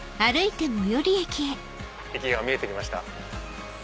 駅が見えてきました。